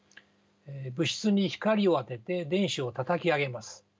物質に光を当てて電子をたたき上げます。